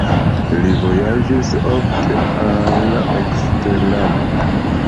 Li vojaĝis ofte al eksterlando.